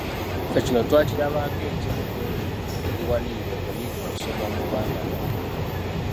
Ffe kino twakiraba nga ekimu ku ebyo ebiwanirira okuyiga okusoma mu baana abato.